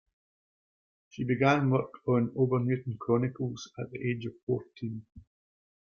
She began work on "Obernewtyn Chronicles" at the age of fourteen.